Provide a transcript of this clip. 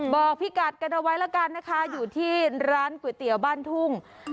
บอกพี่กัดกันเอาไว้แล้วกันนะคะอยู่ที่ร้านก๋วยเตี๋ยวบ้านทุ่ง